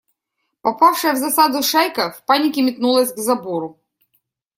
Попавшая в засаду шайка в панике метнулась к забору.